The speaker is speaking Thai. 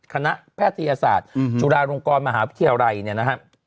คณะแพทยศาสตร์จุฬาลงกรมหาวิทยาลัยเนี่ยนะครับ